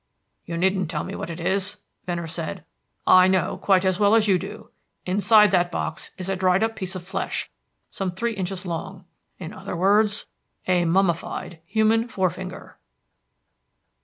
"You needn't tell me what it is," Venner said. "I know quite as well as you do. Inside that box is a dried up piece of flesh, some three inches long in other words a mummified human forefinger."